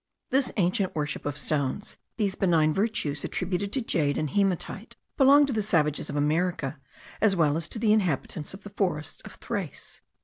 This ancient worship of stones, these benign virtues attributed to jade and haematite, belong to the savages of America as well as to the inhabitants of the forests of Thrace.